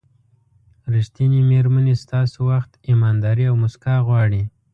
ریښتینې مېرمنې ستاسو وخت، ایمانداري او موسکا غواړي.